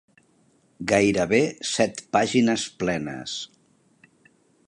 Gairebé set pàgines plenes.